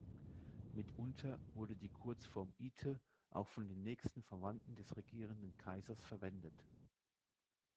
Mitunter wurde die Kurzform Ite auch von den nächsten Verwandten des regierenden Kaisers verwendet.